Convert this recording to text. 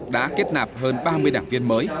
đã kết nạp hơn ba mươi đảng viên mới